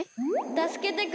たすけてくれ！